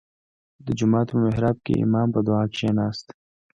• د جومات په محراب کې امام په دعا کښېناست.